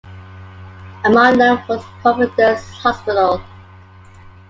Among them was Providence Hospital.